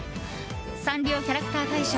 サンリオキャラクター大賞